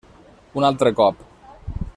Un altre cop.